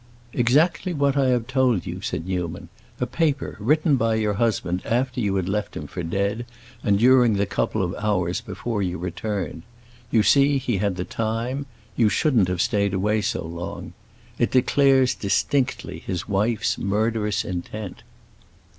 "Exactly what I have told you," said Newman. "A paper written by your husband after you had left him for dead, and during the couple of hours before you returned. You see he had the time; you shouldn't have stayed away so long. It declares distinctly his wife's murderous intent."